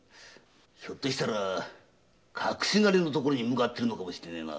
ひょっとしたら隠し金の所に向かっているのかもしれねえな。